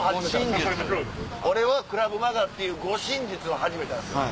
俺はクラヴマガっていう護身術を始めたんですよ。